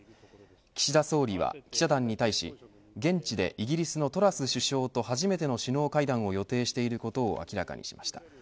岸田総理は記者団に対し現地でイギリスのトラス首相と初めての首脳会談を予定していることを明らかにしました。